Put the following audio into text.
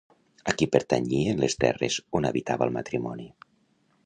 A qui pertanyien les terres on habitava el matrimoni?